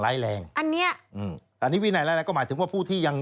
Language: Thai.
ร้ายแรงอันนี้อืมอันนี้วินัยแล้วก็หมายถึงว่าผู้ที่ยัง